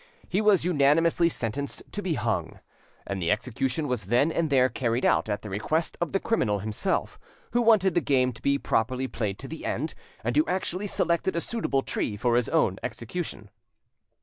He was unanimously sentenced to be hung, and the execution was then and there carried out, at the request of the criminal himself, who wanted the game to be properly played to the end, and who actually selected a suitable tree for his own execution.